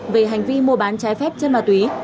về hành vi mua bán trái phép chất ma túy